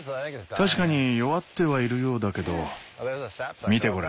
確かに弱ってはいるようだけど見てごらん。